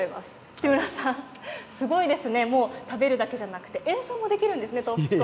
千村さん食べるだけじゃなくて演奏もできるんですね。